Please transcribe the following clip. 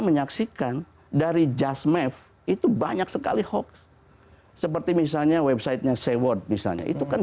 terima kasih pak